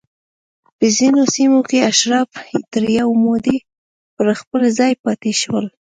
په ځینو سیمو کې اشراف تر یوې مودې پر خپل ځای پاتې شول